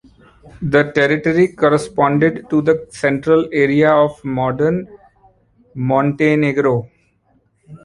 The territory corresponded to the central area of modern Montenegro.